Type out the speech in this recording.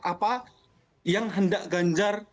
apa yang hendak ganjar